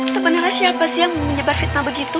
sebenarnya siapa sih yang menyebar fitnah begitu